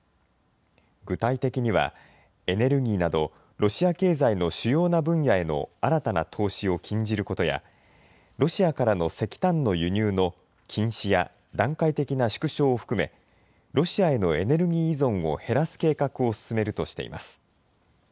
具体的には、エネルギーなどロシア経済の主要な分野への新たな投資を禁じることや、ロシアからの石炭の輸入の禁止や、段階的な縮小を含め、ロシアへのエネルギー依存を減らす計画を進めるとしています。